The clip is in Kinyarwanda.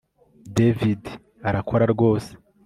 david arakora rwose